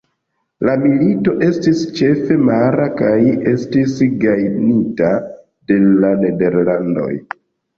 La milito estis ĉefe mara kaj estis gajnita de la Nederlandoj.